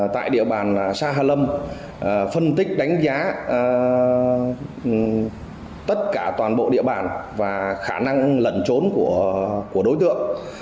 tại địa bàn sa ha lâm phân tích đánh giá tất cả toàn bộ địa bàn và khả năng lận trốn của đối tượng